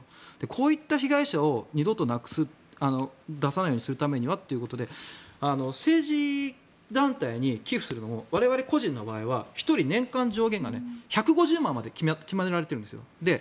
こういった被害者を二度と出さないようにするためにはということで政治団体に寄付するのも我々個人の場合は１人、年間上限が１５０万までって決められてるんです。